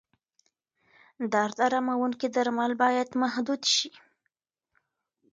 درد اراموونکي درمل باید محدود شي.